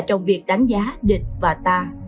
trong việc đánh giá địch và ta